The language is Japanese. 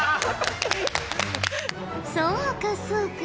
そうかそうか。